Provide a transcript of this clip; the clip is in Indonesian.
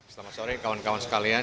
selamat sore kawan kawan sekalian